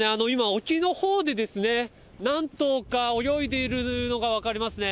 沖のほうで何頭か泳いでいるのが分かりますね。